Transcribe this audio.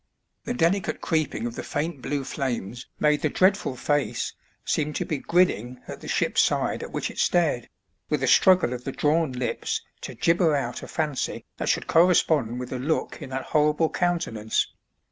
The delicate creeping of the faint blue flames made the dreadful face seem to be grinning at the ship's side at which it stared, with a struggle of the drawn lips to gibber out a fancy that should correspond with the look in that horrible countenance.